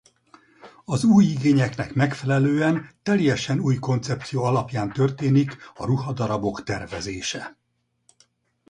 Az új igényeknek megfelelően teljesen új koncepció alapján történik a ruhadarabok tervezése.